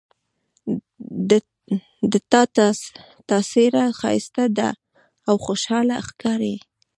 د تا څېره ښایسته ده او خوشحاله ښکاري